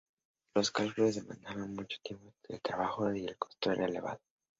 Los cálculos demandaban mucho tiempo de trabajo y el costo era elevado.